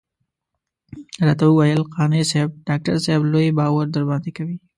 راته وويل قانع صاحب ډاکټر صاحب لوی باور درباندې کوي.